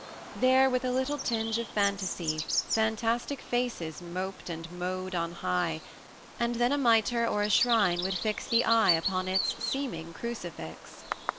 There, with a little tinge of phantasy, Fantastic faces moped and mowed on high, And then a mitre or a shrine would fix The eye upon its seeming crucifix.